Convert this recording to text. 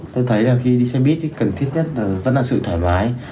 tôi thấy là khi đi xe buýt thì cần thiết nhất vẫn là sự thoải mái